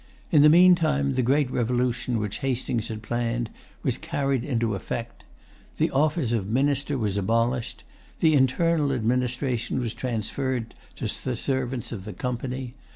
In the meantime, the great revolution which Hastings had planned was carried into effect. The office of minister was abolished. The internal administration was transferred to the servants of the Company.